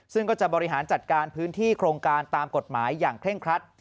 ซึ่งก็จะบริหารจัดการพื้นที่โครงการตามกฎหมายอย่างเคร่งครัด